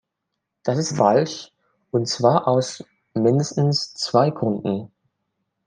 Das ist falsch, und zwar aus mindestens zwei Gründen.